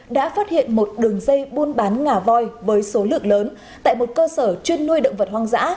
đã phát hiện một đường dây buôn bán ngà voi với số lượng lớn tại một cơ sở chuyên nuôi động vật hoang dã